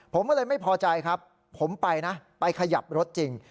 ผมก็เลยไม่พอใจครับผมไปนะไปขยับรถจริง